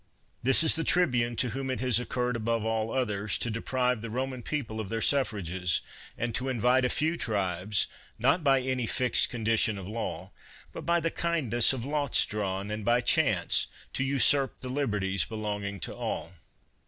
This is the tribune to whom it has occurred above all others to deprive the Roman people of their suffrages, and to invite a a few tribes, not by any fixed condition of law, but by the kindness of lots drawn, and by chance, to usurp the liberties belonging to all.